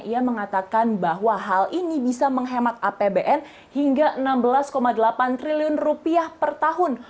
ia mengatakan bahwa hal ini bisa menghemat apbn hingga enam belas delapan triliun rupiah per tahun